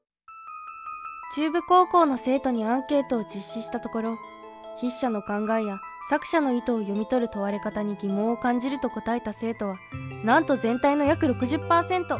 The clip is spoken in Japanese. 中部高校の生徒にアンケートを実施したところ筆者の考えや作者の意図を読み取る問われ方に疑問を感じると答えた生徒はなんと全体の約６０％。